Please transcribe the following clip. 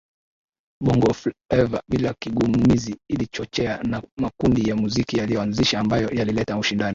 Bongofleva bila kigugumizi ilichochewa na makundi ya muziki yaliyoanzishwa ambayo yalileta ushindani